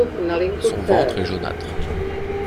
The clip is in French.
Son ventre est jaunâtre.